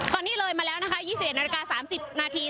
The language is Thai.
ตอนนี้เลยมาแล้วนะคะ๒๑นาฬิกา๓๐นาที